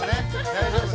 大丈夫？